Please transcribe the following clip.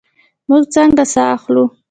موږ څنګه ساه اخلو؟